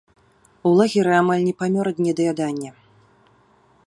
У лагеры амаль не памёр ад недаядання.